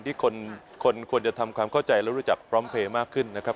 ที่คนควรจะทำความเข้าใจและรู้จักพร้อมเพลย์มากขึ้นนะครับ